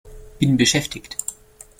Bin beschäftigt!